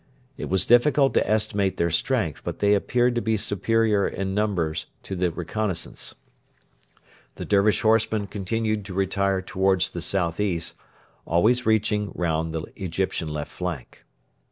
It was difficult to estimate their strength, but they appeared to be superior in numbers to the reconnaissance. The Dervish horsemen continued to retire towards the south east, always reaching round the Egyptian left flank.